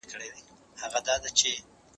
هر څوک په خپل نامه ها کوي.